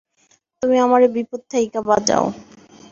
তুমি আমারে বিপদ থাইক্যা বাঁচাও।